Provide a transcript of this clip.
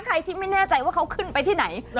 ใครที่ไม่แน่ใจว่าเขาขึ้นไปที่ไหน